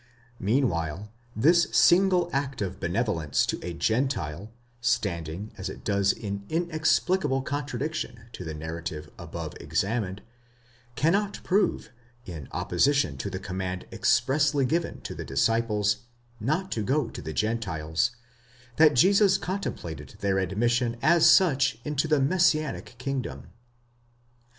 Meanwhile, this single act of benevolence to a Gentile, standing as it does in inexplicable contradiction to the narrative above examined, cannot prove, in opposition to the command expressly given to the disciples, not to go to the Gentiles, that Jesus contemplated their admission as such into the messianic kingdom.